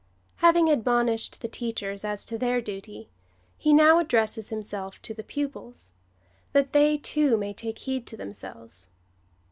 Having admonished tlie teachers as to their duty, he now addresses himself to the pupils — that they, too, may take heed to themselves.